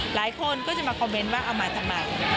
หลายคนก็จะมาคอมเมนต์ว่าเอามาทำไม